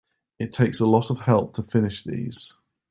It takes a lot of help to finish these.